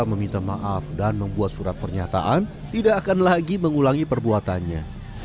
meminta maaf dan membuat surat pernyataan tidak akan lagi mengulangi perbuatannya